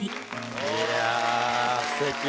いやぁ、すてき。